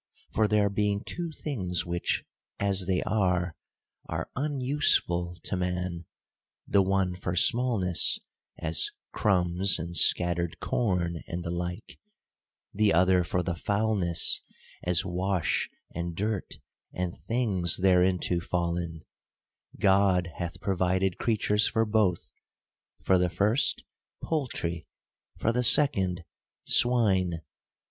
For, there being two things which, as they are, are unuseful to man, — the one for smallness, as crumbs and scattered corn, and the like ; the other for the foulness, as wash, and dirt, and things thereinto fallen — God hath provided creatures for both : for the first, poultry ; for the second, swine.